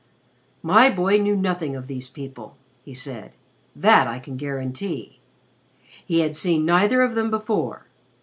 "My boy knew nothing of these people," he said. "That I can guarantee. He had seen neither of them before.